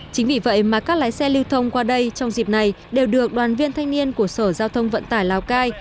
chính vì vậy mà các lái xe lưu thông qua đây trong dịp này đều được đoàn viên thanh niên của sở giao thông vận tải lào cai